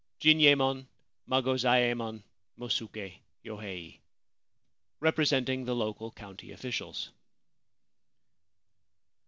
JINYEMON ; MAGOZAEMON ; MOSUKE ; YOHEI. Representing the local County Officials.